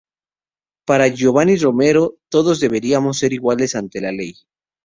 Para Giovanny Romero "todos deberíamos ser iguales ante la ley.